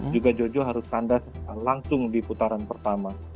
juga jojo harus kandas langsung di putaran pertama